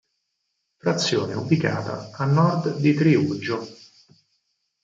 Frazione ubicata a Nord di Triuggio.